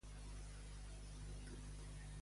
Qui el va difondre a Espanya?